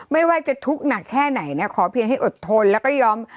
ไม่ว่าจะทุกข์หนักแค่ไหนนะขอเพียงให้อดทนแล้วก็ยอม